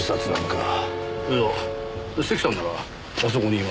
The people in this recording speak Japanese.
いや関さんならあそこにいますよ。